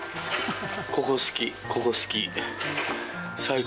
ここ好き、ここ好き。